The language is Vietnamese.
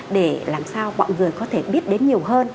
để làm sao mọi người có thể biết đến nhiều hơn